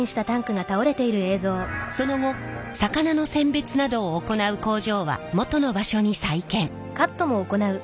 その後魚の選別などを行う工場は元の場所に再建。